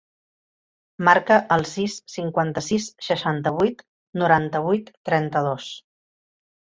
Marca el sis, cinquanta-sis, seixanta-vuit, noranta-vuit, trenta-dos.